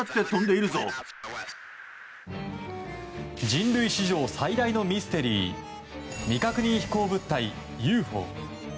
人類史上最大のミステリー未確認飛行物体・ＵＦＯ。